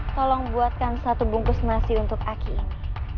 tolong buatkan satu bungkus nasi untuk aki ini